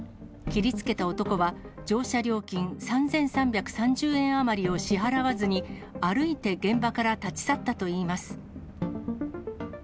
切りつけた男は、乗車料金３３３０円余りを支払わずに、歩いて現場から立ち去ったといいます。